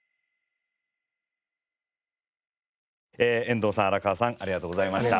遠藤さん荒川さんありがとうございました。